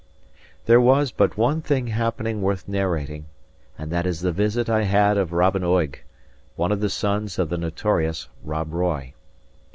There was but one thing happened worth narrating; and that is the visit I had of Robin Oig, one of the sons of the notorious Rob Roy.